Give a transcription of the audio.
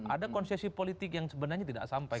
ada konsesi politik yang sebenarnya tidak sampai